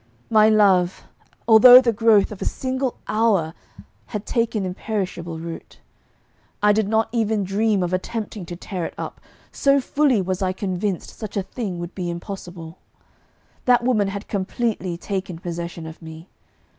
My love, although the growth of a single hour, had taken imperishable root. I did not even dream of attempting to tear it up, so fully was I convinced such a thing would be impossible. That woman had completely taken possession of me.